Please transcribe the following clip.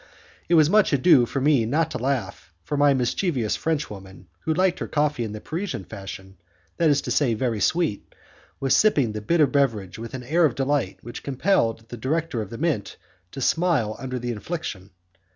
It was much ado for me not to laugh, for my mischievous French woman, who liked her coffee in the Parisian fashion, that is to say very sweet, was sipping the bitter beverage with an air of delight which compelled the director of the Mint to smile under the infliction.